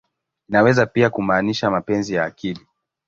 Inaweza pia kumaanisha "mapenzi ya akili.